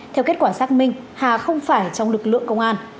theo kết quả xác minh hà không phải trong lực lượng công an